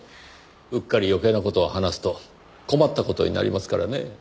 うっかり余計な事を話すと困った事になりますからねぇ。